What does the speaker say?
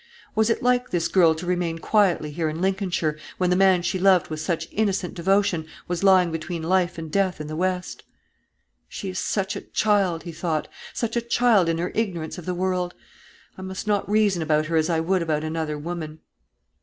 Was it like this girl to remain quietly here in Lincolnshire, when the man she loved with such innocent devotion was lying between life and death in the west? "She is such a child," he thought, "such a child in her ignorance of the world. I must not reason about her as I would about another woman."